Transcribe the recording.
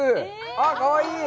あっ、かわいい！